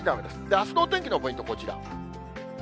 あすのお天気のポイント、こちら。